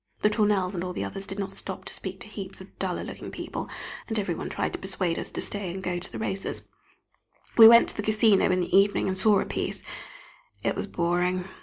The Tournelles and all the others did stop to speak to heaps of duller looking people, and every one tried to persuade us to stay and go to the races. We went to the Casino in the evening and saw a piece; it was boring.